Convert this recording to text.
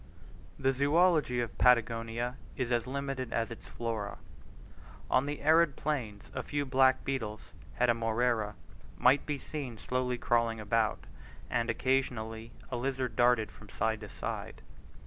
The zoology of Patagonia is as limited as its flora. On the arid plains a few black beetles (Heteromera) might be seen slowly crawling about, and occasionally a lizard darted from side to side.